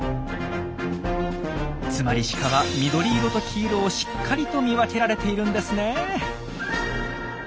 つまりシカは緑色と黄色をしっかりと見分けられているんですね。